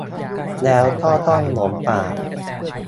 แล้วก็ต้องหลงป่า